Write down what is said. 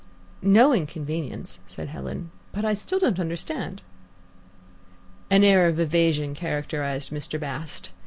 "No inconvenience," said Helen; "but I still don't understand." An air of evasion characterized Mr. Bast.